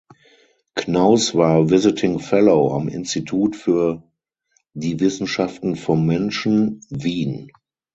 Knaus war "visiting fellow" am Institut für die Wissenschaften vom Menschen (Wien).